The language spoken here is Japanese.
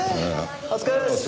お疲れさまです。